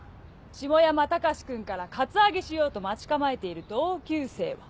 下山高志君からカツアゲしようと待ち構えている同級生は。